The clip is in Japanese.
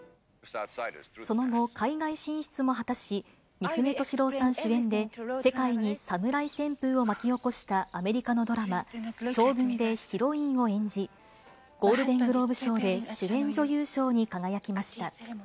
その後、海外進出も果たし、三船敏郎さん主演で、世界にサムライ旋風を巻き起こしたアメリカのドラマ、将軍でヒロインを演じ、ゴールデングローブ賞で主演女優賞に輝きました。